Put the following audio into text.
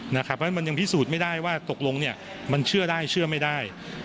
เพราะฉะนั้นมันยังพิสูจน์ไม่ได้ว่าตกลงมันเชื่อได้เชื่อไม่ได้